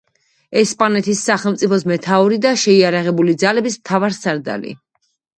ესპანეთის სახელმწიფოს მეთაური და შეიარაღებული ძალების მთავარსარდალი.